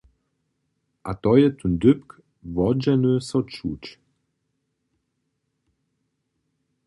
A to je tón dypk, wodźeny so čuć.